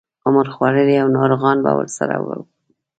عمر خوړلي او ناروغان به ورسره وو.